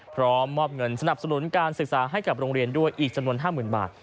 มอบเงินสนับสนุนการศึกษาให้กับโรงเรียนด้วยอีกจำนวน๕๐๐๐บาท